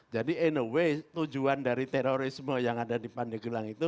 jadi in a way tujuan dari terorisme yang ada di pandegilang itu